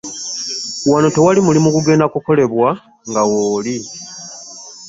Wano tewali mulimu gugenda kukolebwa nga wooli.